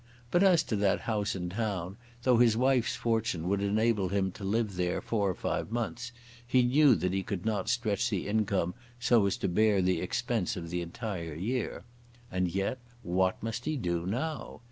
But as to that house in town, though his wife's fortune would enable him to live there four or five months, he knew that he could not stretch the income so as to bear the expense of the entire year. And yet, what must he do now?